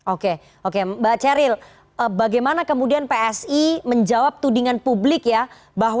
oke oke mbak ceril bagaimana kemudian psi menjawab tudingan publik ya bahwa dengan masuknya mas khaesang